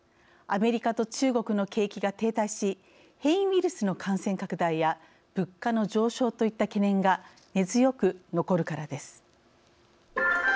アメリカと中国の景気が停滞し変異ウイルスの感染拡大や物価の上昇といった懸念が根強く残るからです。